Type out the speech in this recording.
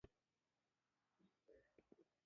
داوود خان هوتک له خپل لښکر سره بېرته را روان و.